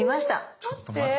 ちょっと待って。